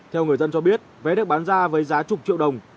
theo người dân cho biết vé được bán ra với giá chục triệu đồng